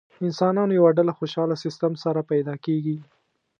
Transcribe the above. انسانانو یوه ډله خوشاله سیستم سره پیدا کېږي.